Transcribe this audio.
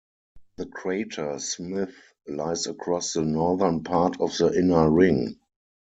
The crater Smith lies across the northern part of the inner ring.